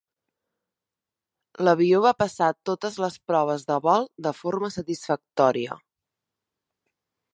L'avió va passar totes les proves de vol de forma satisfactòria.